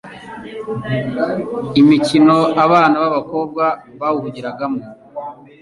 imikino abana b'abakobwa bahugiramo